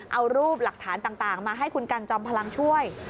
เอารูปหลักฐานต่างมาให้คุณกันจอมพลังช่วย